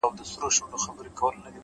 تور یم!! موړ یمه د ژوند له خرمستیو!!